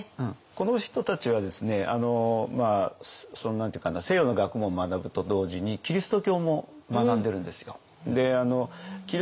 この人たちはですね何て言うかな西洋の学問を学ぶと同時にキリスト教も学んでるんですよ。